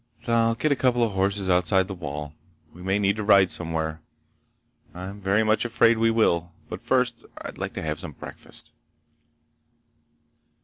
"Thal, get a couple of horses outside the wall. We may need to ride somewhere. I'm very much afraid we will. But first I'd like to have some breakfast."